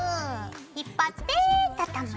引っ張って畳む。